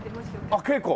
あっ稽古？